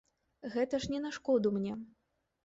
Гэта ж не на шкоду мне.